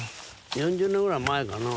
４０年ぐらい前かな。